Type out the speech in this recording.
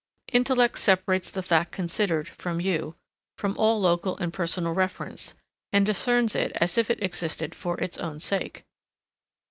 Intellect separates the fact considered, from you, from all local and personal reference, and discerns it as if it existed for its own sake.